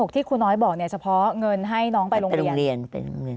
๓๖๐๐ที่ครูน้อยบอกเนี่ยเฉพาะเงินให้น้องไปโรงเรียนเป็นโรงเรียน